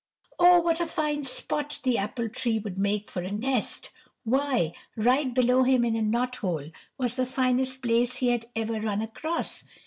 Oh, what a fine spot the apple tree would make for a nest. Why, right below him in a knot hole was the finest place he had ever run across.